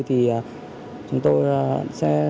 thì chúng tôi sẽ